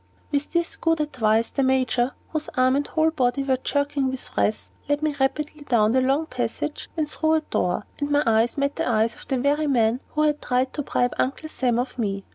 With this good advice, the Major, whose arm and whole body were jerking with wrath, led me rapidly down the long passage and through a door, and my eyes met the eyes of the very man who had tried to bribe Uncle Sam of me.